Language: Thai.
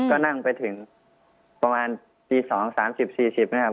ก็นั่งไปถึงประมาณปีสองสามสิบสี่สิบเนี้ยครับ